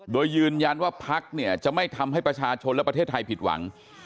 โดยยืนยันว่าพักเนี่ยจะไม่ทำให้ประชาชนและประเทศไทยผิดหวัง